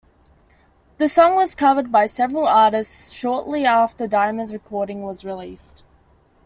The song was covered by several artists shortly after Diamond's recording was released.